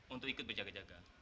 untuk ikut berjaga jaga